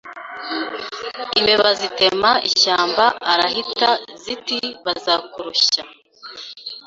Imbeba zitema ishyamba arahita ziti Bazakurushya